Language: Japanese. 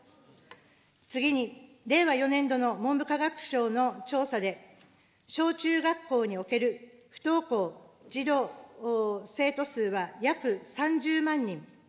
次に、令和４年度の文部科学省の調査で、小中学校における不登校児童・生徒数は約３０万人。